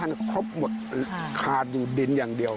มันครบหมดขาดอยู่ดินอย่างเดียว